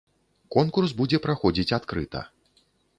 Конкурс будзе праходзіць адкрыта.